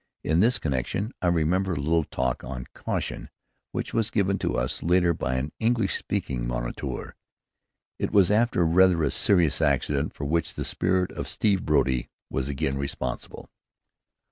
In this connection, I remember a little talk on caution which was given to us, later, by an English speaking moniteur. It was after rather a serious accident, for which the spirit of Steve Brody was again responsible.